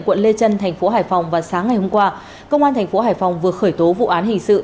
quận lê chân tp hải phòng vào sáng ngày hôm qua công an tp hải phòng vừa khởi tố vụ án hình sự